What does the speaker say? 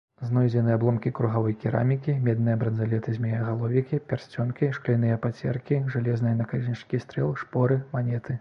Знойдзены абломкі кругавой керамікі, медныя бранзалеты-змеегаловікі, пярсцёнкі, шкляныя пацеркі, жалезныя наканечнікі стрэл, шпоры, манеты.